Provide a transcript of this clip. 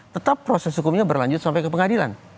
tetap proses hukumnya berlanjut sampai ke pengadilan